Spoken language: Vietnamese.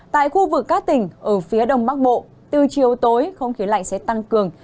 tại khu vực các tỉnh ở phía đông bắc bộ từ chiều tối không khí lạnh sẽ tăng cường